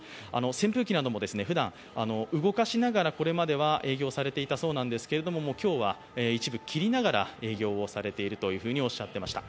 扇風機などもふだん動かしながらこれまでは営業されていたそうなんですけれども、今日は一部、切りながら営業をしているとおっしゃっていました。